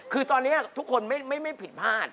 คือตอนนี้ทุกคนไม่ผิดพลาด